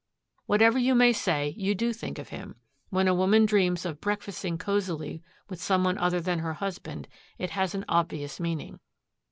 "Whatever you may say, you do think of him. When a woman dreams of breakfasting cozily with some one other than her husband it has an obvious meaning.